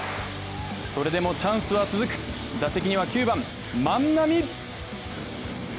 それでもチャンスは続く打席には９番・万波！